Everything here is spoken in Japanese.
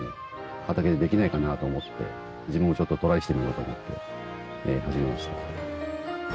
畑でできないかなと思って自分もちょっとトライしてみようと思って始めました。